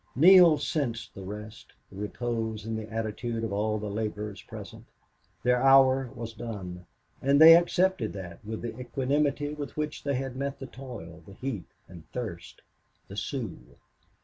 Neale sensed the rest, the repose in the attitude of all the laborers present. Their hour was done. And they accepted that with the equanimity with which they had met the toil, the heat and thirst, the Sioux.